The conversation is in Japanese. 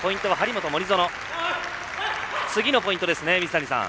次のポイントですね、水谷さん。